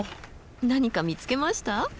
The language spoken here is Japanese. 何か見つけました？